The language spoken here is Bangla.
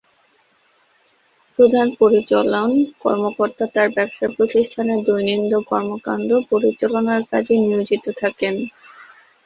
প্রধান পরিচালন কর্মকর্তা তার ব্যবসা প্রতিষ্ঠানের দৈনন্দিন কর্মকাণ্ড পরিচালনার কাজে নিয়োজিত থাকেন।